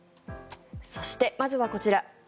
そして、まずはこちら。